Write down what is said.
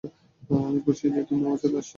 আমি খুশি যে তুমি আমার সাথে আছ।